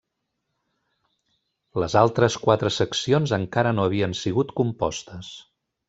Les altres quatre seccions encara no havien sigut compostes.